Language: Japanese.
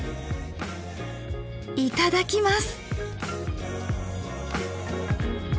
いただきます。